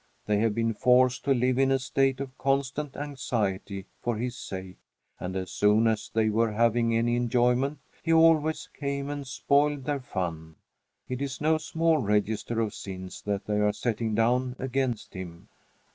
They have been forced to live in a state of constant anxiety for his sake, and as soon as they were having any enjoyment, he always came and spoiled their fun. It is no small register of sins that they are setting down against him!